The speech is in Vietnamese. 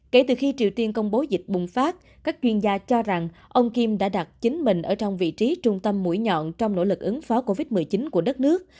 kể từ khi triều tiên công bố dịch bùng phát các chuyên gia cho rằng ông kim đã đặt chính mình ở trong vị trí trung tâm mũi nhọn trong nỗ lực ứng phó covid một mươi chín của đất nước